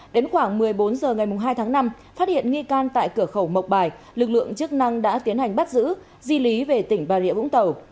đến khoảng một mươi bốn h ngày hai tháng năm phát hiện nghi can tại cửa khẩu mộc bài lực lượng chức năng đã tiến hành bắt giữ di lý về tỉnh bà rịa vũng tàu